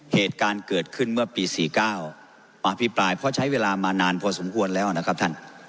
เหตุการณ์เกิดขึ้นเมื่อปี๔๙มาอภิปรายเพราะใช้เวลามานานพอสมควรแล้วนะครับท่าน